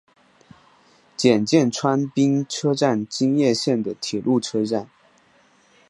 检见川滨车站京叶线的铁路车站。